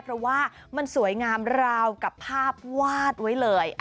เพราะว่ามันสวยงามราวกับภาพวาดไว้เลย